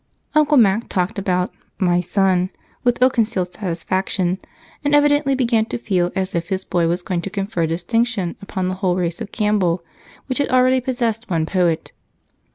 Uncle Mac talked about "my son" with ill concealed satisfaction, and evidently began to feel as if his boy was going to confer distinction upon the whole race of Campbell, which had already possessed one poet.